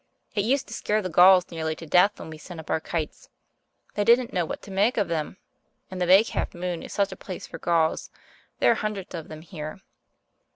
It used to scare the gulls nearly to death when we sent up our kites. They didn't know what to make of them. And the Big Half Moon is such a place for gulls there are hundreds of them here.